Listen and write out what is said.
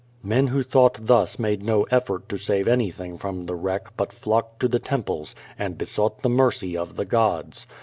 Men who thought thus made no effort to save anything from the wreck but flocked to the temples, and besought the mercy of the gods.